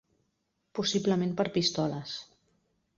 Possiblement per pistoles.